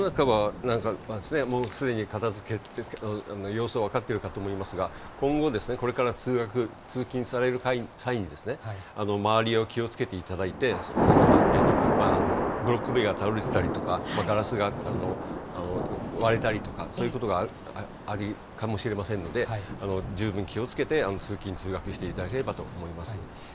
家の中はもうすでに片づけて、様子分かってると思いますが、今後、これから通学・通勤される際に、周りを気をつけていただいて、先ほどあったように、ブロック塀が倒れてたりとか、ガラスが割れたりとか、そういうことがあるかもしれませんので、十分気をつけて、通勤・通学していただければと思います。